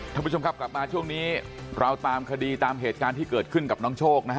ท่านผู้ชมครับกลับมาช่วงนี้เราตามคดีตามเหตุการณ์ที่เกิดขึ้นกับน้องโชคนะฮะ